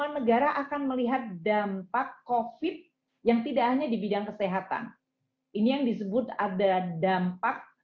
negara akan melihat dampak kofit yang tidak hanya di bidang kesehatan ini yang disebut ada dampak